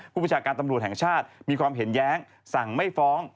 ประชาการตำรวจแห่งชาติมีความเห็นแย้งสั่งไม่ฟ้อง